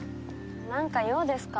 なんか用ですか？